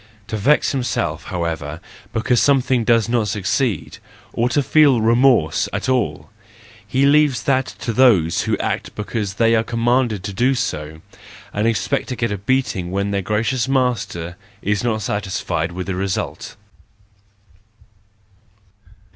To vex himself, however, because something does not succeed, or to feel remorse at all—he leaves that to those who act because they are commanded to do so, and expect to get a beating when their gracious master is not satisfied with the result.